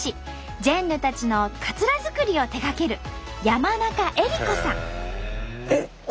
ジェンヌたちのカツラ作りを手がけるえっ？